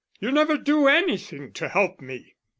You never do anything to help me."